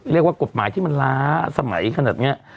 เรียกว่ากฎหมายที่มันล้าสมัยขนาดนี้